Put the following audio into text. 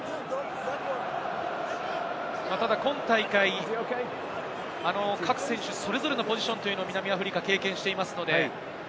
ただ今大会、各選手それぞれのポジションを南アフリカは経験しています。